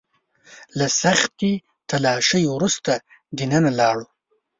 له سختې تلاشۍ وروسته دننه لاړو.